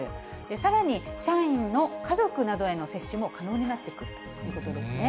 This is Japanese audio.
さらに社員の家族などへの接種も可能になってくるということですね。